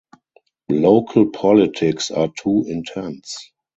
Local politics are too intense.